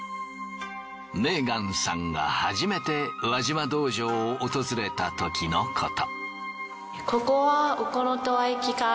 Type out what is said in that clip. メーガンさんが初めて輪島道場を訪れたときのこと。